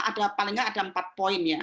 ada paling tidak ada empat poin